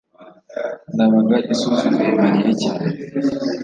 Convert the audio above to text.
ndabaga yasuzuguye mariya cyane